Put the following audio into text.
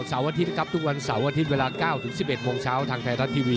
ปากกาเหล็กต่อหลัก๒นะครับ